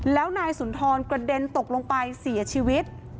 แล้วนายสุนทรกระเด็นตกลงไปเสียชีวิต